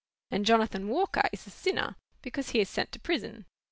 And Jonathan Walker is a sinner, because he is sent to prison.